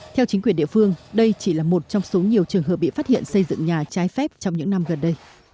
theo chính quyền địa phương đây chỉ là một trong số nhiều trường hợp bị phát hiện xây dựng nhà trái phép trong những năm gần đây